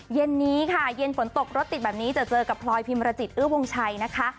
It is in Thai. เย็นนี้ค่ะเย็นฝนตกรถติดแบบนี้จะเจอกับพลอยพิมรจิตอื้อวงชัยนะคะ